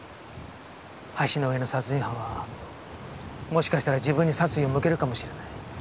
橋の上の殺人犯はもしかしたら自分に殺意を向けるかもしれない。